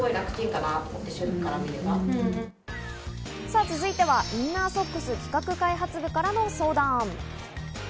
続いてはインナー・ソックス企画開発部からの相談。